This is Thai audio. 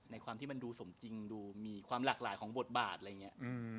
ความที่มันดูสมจริงดูมีความหลากหลายของบทบาทอะไรอย่างนี้